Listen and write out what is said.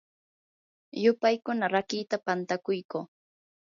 yupaykuna rakiita pantakuyquu.